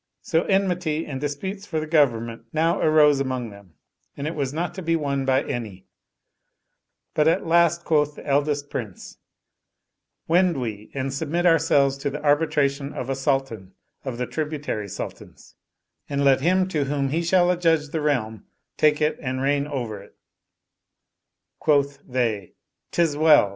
So enmity and disputes for the government now arose among them and it was not to be won by any ; but at last quoth the eldest Prince, " Wend we and submit ourselves to the arbitration of a Sultan of the tributary sultans; and let him to whom he shall adjudge the realm io8 The Sultan and his Three Sons take It and reign over it." Quoth they, " Tis well!